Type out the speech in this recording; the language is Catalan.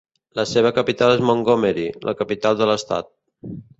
La seva capital és Montgomery, la capital de l'estat.